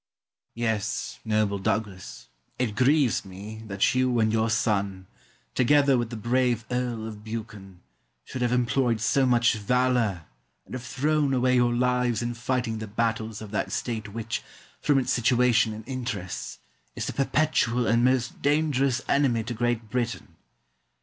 Yes, noble Douglas, it grieves me that you and your son, together with the brave Earl of Buchan, should have employed so much valour and have thrown away your lives in fighting the battles of that State which, from its situation and interests, is the perpetual and most dangerous enemy to Great Britain.